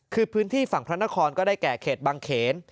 คือพื้นที่ฝั่งพระนครก็ได้แก่เขตบางเขน